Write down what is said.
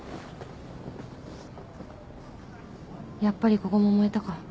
やっぱりここも燃えたか。